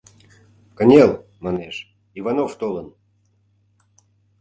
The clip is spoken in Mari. — Кынел, манеш, Иванов толын...